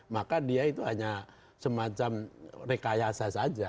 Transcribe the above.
maka dia itu hanya semacam rekayasa saja